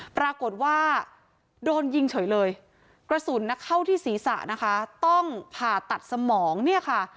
ปรากฏว่าโดนยิงเฉยเลยกระสุนเข้าที่ศีรษะนะคะต้องผ่าตัดสมองเนี่ยค่ะ